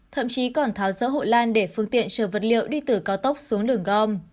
thậm chí còn tháo rỡ hộ lan để phương tiện chở vật liệu đi từ cao tốc xuống đường gom